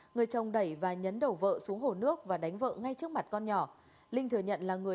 người chồng đẩy và nhấn đầu vợ xuống hồ nước và đánh vợ ngay trước mặt con nhỏ